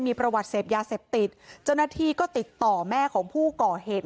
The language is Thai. มีประวัติเสพยาเสพติดเจ้าหน้าที่ก็ติดต่อแม่ของผู้ก่อเหตุ